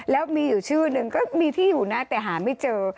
แล้วมีอยู่ชื่อหนึ่งก็มีที่อยู่นะแต่หาไม่เจอ